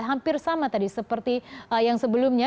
hampir sama tadi seperti yang sebelumnya